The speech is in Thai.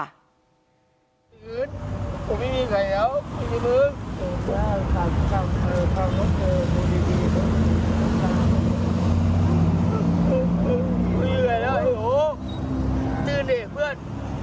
ไปแล้วโอ้โหจืนเหรอเพื่อน